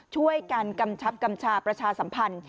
ช่วยกันกำชับกำชาประชาสัมพันธ์